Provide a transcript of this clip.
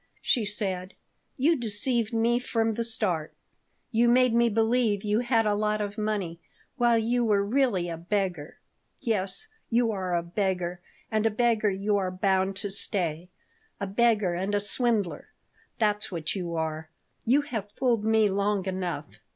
she said. "You deceived me from the start. You made me believe you had a lot of money, while you were really a beggar. Yes, you are a beggar, and a beggar you are bound to stay. A beggar and a swindler that's what you are. You have fooled me long enough.